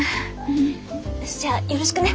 じゃあよろしくね。